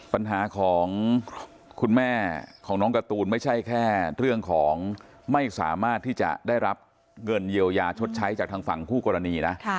ปัญหาของคุณแม่ของน้องการ์ตูนไม่ใช่แค่เรื่องของไม่สามารถที่จะได้รับเงินเยียวยาชดใช้จากทางฝั่งคู่กรณีนะ